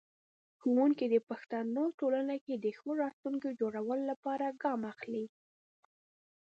ښوونکی د پښتنو ټولنې کې د ښه راتلونکي جوړولو لپاره ګام اخلي.